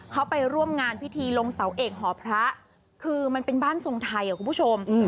เขาไปร่วมงานพิธีลงเสาเอกหอพระคือมันเป็นบ้านทรงไทยคุณผู้ชม